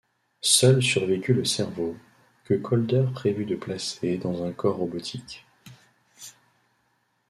Seul survécut le cerveau, que Caulder prévu de placer dans un corps robotique.